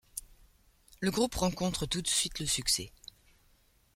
Le groupe rencontre tout de suite le succès.